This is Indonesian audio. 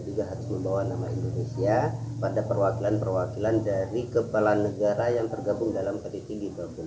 saya juga harus membawa nama indonesia pada perwakilan perwakilan dari kepala negara yang tergabung dalam ktt g dua puluh